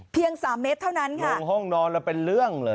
สามเมตรเท่านั้นค่ะลงห้องนอนแล้วเป็นเรื่องเลย